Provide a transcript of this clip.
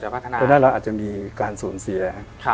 เพราะฉะนั้นเราอาจจะมีการสูญเสีย